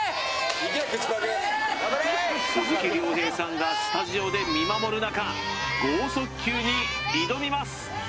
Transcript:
鈴木亮平さんがスタジオで見守る中剛速球に挑みます